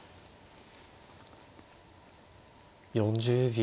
４０秒。